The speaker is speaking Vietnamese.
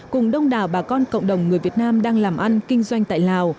cùng đông đảo bà con cộng đồng người việt nam đang làm ăn kinh doanh tại lào